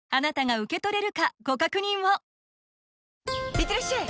いってらっしゃい！